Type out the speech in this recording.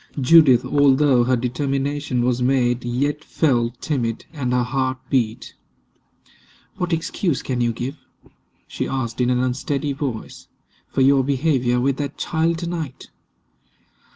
Judith, although her determination was made, yet felt timid, and her heart beat. "What excuse can you give," she asked in an unsteady voice, "for your behavior with that child to night?"